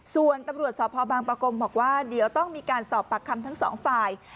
ส่วนตำรวจสพบางประกงบอกว่าเดี๋ยวต้องมีการสอบปากคำทั้งสองฝ่าย